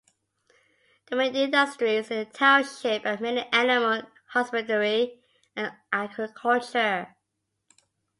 The main industries in the township are mainly animal husbandry and agriculture.